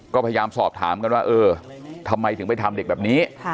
ก็พยายามสอบถามกันว่าเออทำไมถึงไปทำเด็กแบบนี้